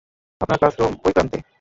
আপনার ক্লাসরুম ঐ প্রান্তে।